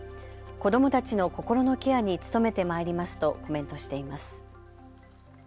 子どもたちの心のケアに努めてまいりますとコメントしています。